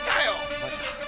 マジだ。